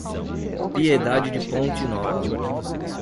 Piedade de Ponte Nova